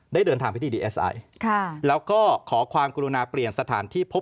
ได้เดินทางไฟที่ค่ะแล้วก็คอความกุโลนาเปลี่ยนสถานที่พบ